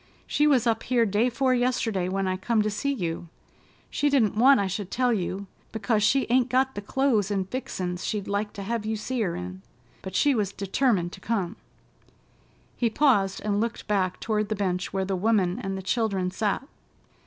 She was up here day 'fore yesterday, when I come to see you. She didn't want I should tell you, because she ain't got the clo'es and fixin's she'd like to hev you see her in, but she was determined to come——" He paused and looked back toward the bench where the woman and the children sat.